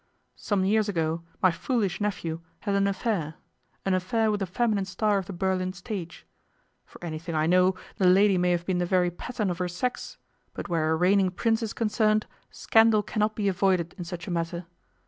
Some years ago my foolish nephew had an affair an affair with a feminine star of the Berlin stage. For anything I know, the lady may have been the very pattern of her sex, but where a reigning Prince is concerned scandal cannot be avoided in such a matter.